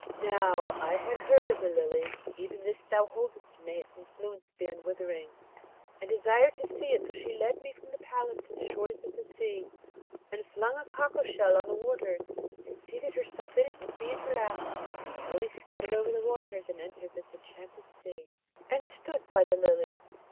Now, I had heard of the Lily, even this thou holdest may its influence be unwithering! and desired to see it. So she led me from the palace to the shore of the sea, and flung a cockleshell on the waters, and seated herself in it with me in her lap; and we scudded over the waters, and entered this Enchanted Sea, and stood by the Lily.